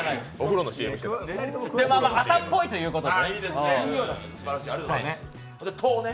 朝っぽいということでね。